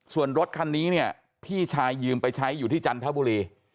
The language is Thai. ส่วนรถคันนี้เนี่ยพี่ชายยืมไปใช้อยู่ที่จันทบุรี